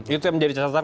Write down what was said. itu yang menjadi catatan